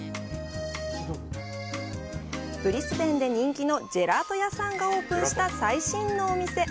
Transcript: ブリスベンで人気のジェラート屋さんがオープンした最新のお店。